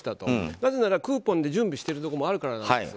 なぜならクーポンで準備しているところもあるからなんです。